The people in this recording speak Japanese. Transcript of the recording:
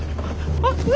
あっ！